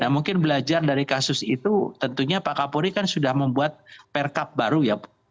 mungkin belajar dari kasus itu tentunya pak kapolri kan sudah membuat perkap baru ya